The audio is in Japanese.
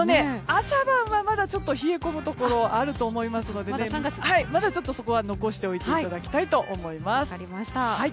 朝晩はまだちょっと冷え込むところがあると思いますのでまだそこは残しておいていただきたいと思います。